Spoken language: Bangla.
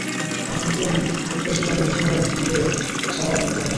আসনের তুলনায় টিকিটপ্রত্যাশীর সংখ্যা বেশি হওয়ায় অনেককে টিকিট ছাড়া ফিরতে হয়।